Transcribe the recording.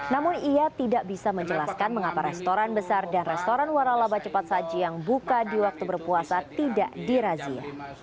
namun ia tidak bisa menjelaskan mengapa restoran besar dan restoran waralaba cepat saji yang buka di waktu berpuasa tidak dirazia